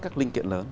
các linh kiện lớn